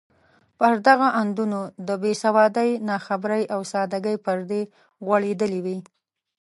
پر دغو اندونو د بې سوادۍ، ناخبرۍ او سادګۍ پردې غوړېدلې وې.